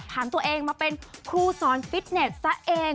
ตัวเองมาเป็นครูสอนฟิตเน็ตซะเอง